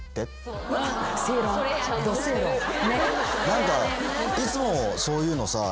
「何かいつもそういうのさ